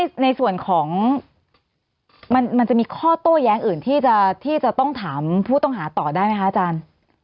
ในส่วนของมันจะมีข้อโต้แย้งอื่นที่จะต้องถามผู้ต้องหาต่อได้ไหมคะอาจารย์